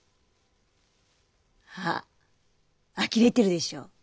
あっあきれてるでしょ。